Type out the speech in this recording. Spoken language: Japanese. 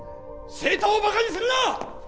生徒をバカにするな！